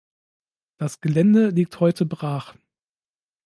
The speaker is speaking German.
Das Gelände liegt heute brach.